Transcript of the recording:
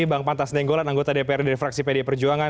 bang pantas nenggolan anggota dprd dari fraksi pdi perjuangan